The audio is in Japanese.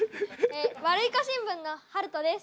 ワルイコ新聞のはるとです。